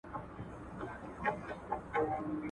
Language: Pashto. زه چي ګورمه موږ هم یو ځان وهلي.